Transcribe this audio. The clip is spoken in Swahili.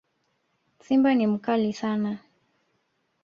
Simba ni mkali sana